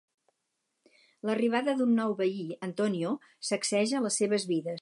L'arribada d'un nou veí, Antonio, sacseja les seves vides.